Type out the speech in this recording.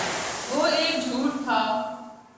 وہ ایک جھوٹ تھا